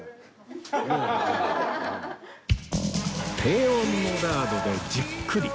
低温のラードでじっくり。